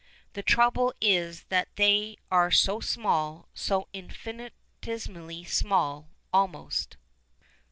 The trouble is that they are so small, so infinitesimally small, almost.